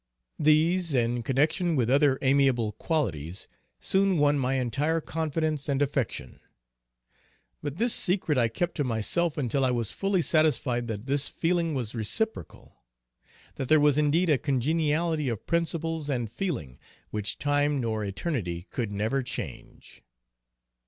These, in connection with other amiable qualities, soon won my entire confidence and affection. But this secret I kept to myself until I was fully satisfied that this feeling was reciprocal; that there was indeed a congeniality of principles and feeling, which time nor eternity could never change.